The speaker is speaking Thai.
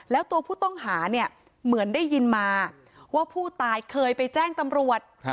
แล้วตัวผู้ต้องหาเนี่ยเหมือนได้ยินมาว่าผู้ตายเคยไปแจ้งตำรวจ